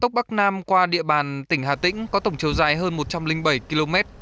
đường bộ cao tốc bắc nam qua địa bàn tỉnh hà tĩnh có tổng chiều dài hơn một trăm linh bảy km